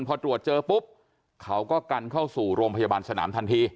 พอตรวจเจอปุ๊บเขาก็กันเข้าสู่โรงพยาบาลสนามทันที